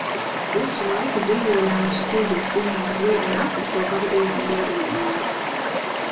Visu laiku dzīvojām uz kuģa, izņemot vienu nakti, ko pavadījām Berlīnē.